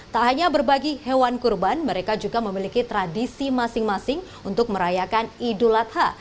tak hanya berbagi hewan kurban mereka juga memiliki tradisi masing masing untuk merayakan idul adha